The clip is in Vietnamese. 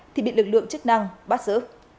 thì bị lực lượng chức năng bắt giữ